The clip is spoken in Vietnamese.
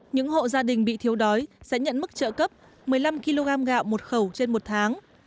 những hộ gia đình bị thiếu đói sẽ nhận mức trợ cấp một mươi năm kg gạo một khẩu trên một tháng